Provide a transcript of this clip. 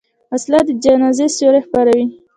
وسله د جنازې سیوري خپروي